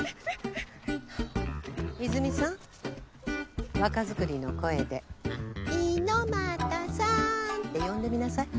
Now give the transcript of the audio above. いづみさん若作りの声で「猪俣さん」って呼んでみなさい。